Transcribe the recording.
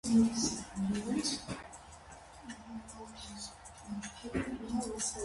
Պաշտպաններին հաջողվում է իրենց դիրքերը պահել մինչև հաջորդ օրվա երկրորդ կեսը։